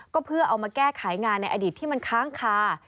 ก็เพื่อเอามาแก้ไขงานในอดีตที่มันค้างคา